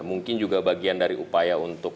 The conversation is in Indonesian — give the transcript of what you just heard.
mungkin juga bagian dari upaya untuk